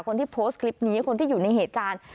คนที่โพสต์คลิปนี้คนที่อยู่ในเหตุการณ์